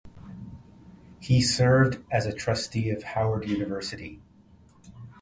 He served as a trustee of Howard University.